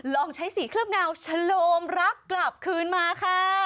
ลองใช้สีเคลือบเงาชะโลมรักกลับคืนมาค่ะ